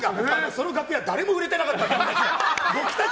その楽屋、誰も売れてなくて。